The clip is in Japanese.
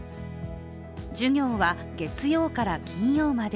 授業は月曜から金曜まで。